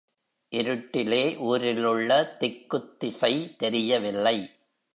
இருட்டிலே ஊரிலுள்ள திக்குத் திசை தெரியவில்லை.